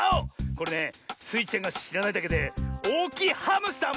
これねスイちゃんがしらないだけでおおきいハムスターもいる！